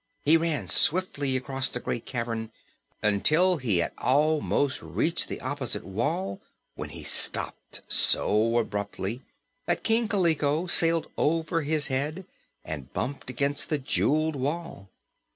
He ran swiftly across the great cavern, until he had almost reached the opposite wall, when he stopped so abruptly that King Kaliko sailed over his head and bumped against the jeweled wall.